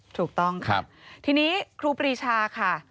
ใช่ค่ะ